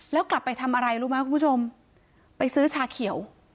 แล้วกลับไปทำอะไรรู้ไหมคุณผู้ชมไปซื้อชาเขียว